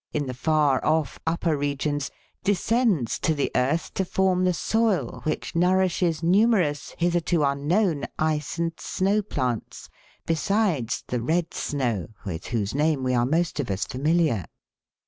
in the far off upper regions, descends to the earth to form the soil which nourishes numerous hitherto unknown ice and snow plants, besides the " red snow," with whose name we are most of us familiar.